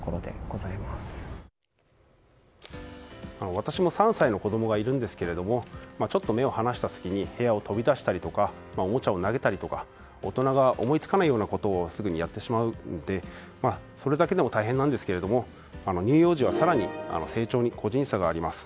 私も３歳の子供がいるんですがちょっと目を離した隙に部屋を飛び出したりとかおもちゃを投げたりとか大人が思いつかないようなことをすぐにやってしまうのでそれだけでも大変なんですが乳幼児は更に成長に個人差があります。